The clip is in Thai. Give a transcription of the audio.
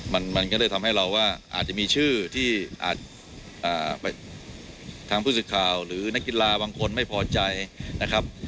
มันก็เลยทำให้เราว่าอาจจะมีชื่อที่ทางผู้สื่อข่าวหรือนักกีฬาบางคนไม่พอใจนะครับ